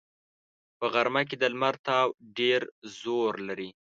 په غرمه کې د لمر تاو ډېر زور لري